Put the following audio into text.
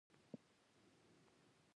اودس په شک نه ماتېږي .